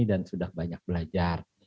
dan sudah banyak belajar